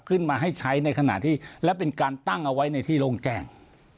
ขึ้นมาให้ใช้ในขณะที่และเป็นการตั้งเอาไว้ในที่โล่งแจ้ง